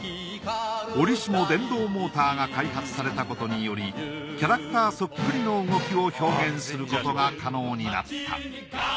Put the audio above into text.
折しも電動モーターが開発されたことによりキャラクターそっくりの動きを表現することが可能になった。